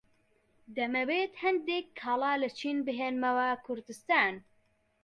دەمەوێت هەندێک کاڵا لە چین بهێنمەوە کوردستان.